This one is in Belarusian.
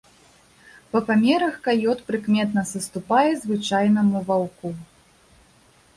Па памерах каёт прыкметна саступае звычайнаму ваўку.